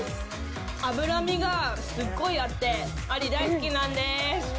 脂身がすごいあってアリ、大好きなんです。